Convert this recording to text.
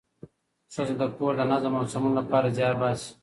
ښځه د کور د نظم او سمون لپاره زیار باسي